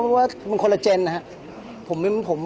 ว่ามันคนละเจนนะครับ